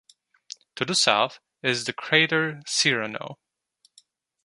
To the south is the crater Cyrano.